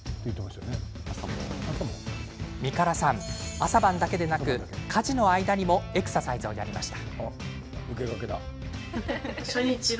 みからさん、朝晩だけでなく家事の間にもエクササイズをやりました。